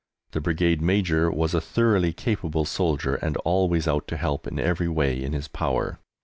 The Brigade Major was a thoroughly capable soldier, and always out to help in every way in his power.